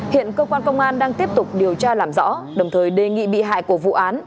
hiện cơ quan công an đang tiếp tục điều tra làm rõ đồng thời đề nghị bị hại của vụ án